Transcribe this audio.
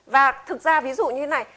và thực ra ví dụ như thế này